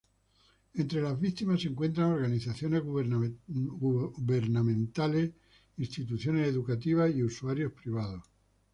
Entre las víctimas se encuentran organizaciones gubernamentales, instituciones educativas y usuarios privados.